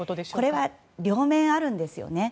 これは両面あるんですよね。